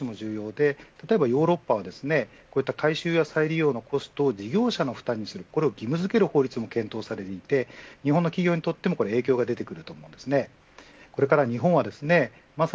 ただ、このためには政策的な後押しも重要で、例えばヨーロッパはこういった回収や再利用のコストを事業者の負担にするこれを義務づける法律も検討されていて日本の企業にとっても影響が出てくると思います。